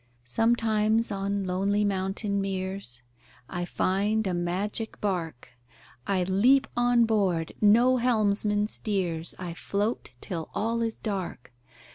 Sometimes on lonely mountain meres I find a magic bark; I leap on board: no helmsman steers I float till all is dark.